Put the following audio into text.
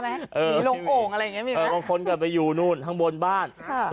มีลมโกงอะไรอย่างเงี้ยมีไหมเป็นเพิ่งกันไปอยู่นู่นทั้งบนบ้านค่ะ